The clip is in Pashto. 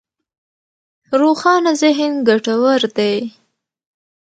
روښانه ذهن ګټور دی.